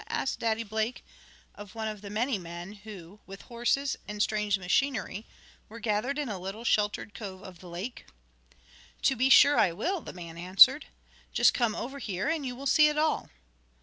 asked Daddy Blake of one of the many men who, with horses and strange machinery, were gathered in a little sheltered cove of the lake. "To be sure I will," the man answered. "Just come over here and you will see it all."